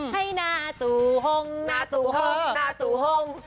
ให้หน้าสู่ห้องหน้าสู่ห้องหน้าสู่ห้อง